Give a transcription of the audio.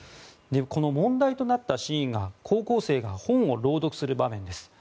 この問題となったシーンが高校生が本を朗読する場面です。